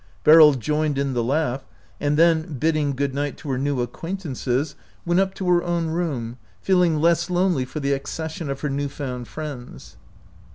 Beryl joined in the laugh, and then, bidding good night to her new acquaintances, went up to her own room, feeling less lonely for the accession of her new found friends.